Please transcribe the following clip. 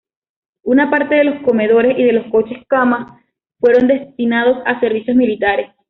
Una parte de los comedores y de los coches-cama fueron destinados a servicios militares.